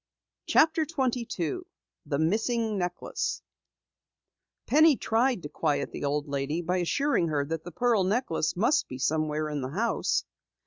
CHAPTER 22 THE MISSING NECKLACE Penny tried to quiet the old lady by assuring her that the pearl necklace must be somewhere in the house.